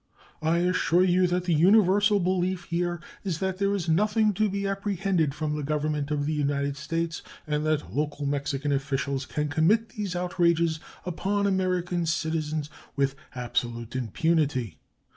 I assure you that the universal belief here is that there is nothing to be apprehended from the Government of the United States, and that local Mexican officials can commit these outrages upon American citizens with absolute impunity."